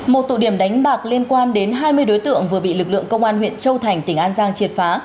một tụ điểm đánh bạc liên quan đến hai mươi đối tượng vừa bị lực lượng công an huyện châu thành tỉnh an giang triệt phá